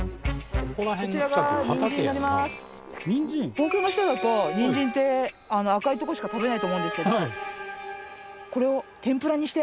東京の人だとニンジンって赤いとこしか食べないと思うんですけどこれを天ぷらにして。